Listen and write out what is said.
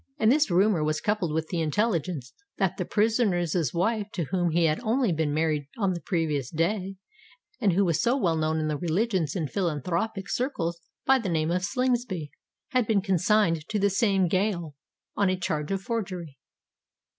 And this rumour was coupled with the intelligence "that the prisoner's wife, to whom he had only been married on the previous day, and who was so well known in the religions and philanthropic circles by the name of Slingsby, had been consigned to the same gaol on a charge of forgery."